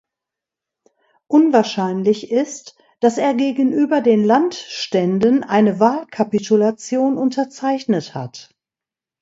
Unwahrscheinlich ist, dass er gegenüber den Landständen eine Wahlkapitulation unterzeichnet hat.